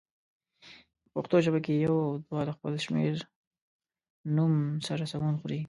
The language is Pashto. په پښتو ژبه کې یو او دوه له خپل شمېرنوم سره سمون خوري.